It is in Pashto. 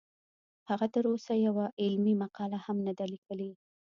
هغه تر اوسه یوه علمي مقاله هم نه ده لیکلې